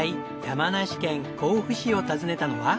山梨県甲府市を訪ねたのは。